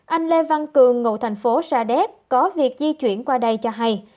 anh lê văn cường ngụ thành phố sa đéc có việc di chuyển qua đây cho hay